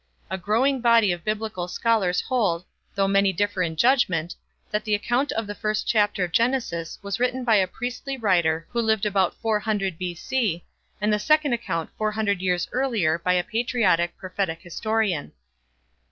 A growing body of Biblical scholars hold, though many differ in judgment, that the account in the first chapter of Genesis was written by a priestly writer who lived about four hundred B.C., and the second account four hundred years earlier by a patriotic, prophetic historian.